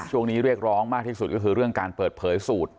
เรียกร้องมากที่สุดก็คือเรื่องการเปิดเผยสูตร